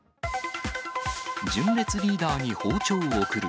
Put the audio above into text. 純烈リーダーに包丁送る。